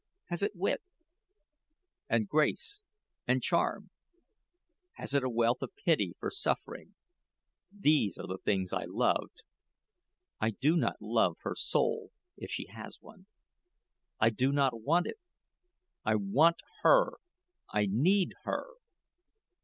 Has it wit, and grace, and charm? Has it a wealth of pity for suffering? These are the things I loved. I do not love her soul, if she has one. I do not want it. I want her I need her."